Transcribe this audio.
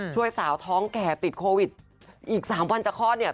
ช่วยสาวท้องแก่ติดโควิดอีก๓วันจะคลอดเนี่ย